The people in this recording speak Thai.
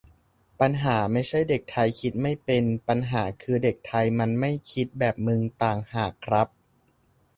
"ปัญหาไม่ใช่เด็กไทยคิดไม่เป็น ปัญหาคือเด็กไทยมันไม่คิดแบบมึงต่างหากครับ"